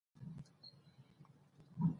لنډه اونۍ د شرکتونو لپاره اقتصادي ګټه هم لري.